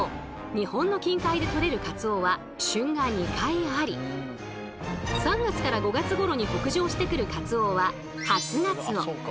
日本の近海でとれるカツオは旬が２回あり３月から５月頃に北上してくるカツオは「初ガツオ」。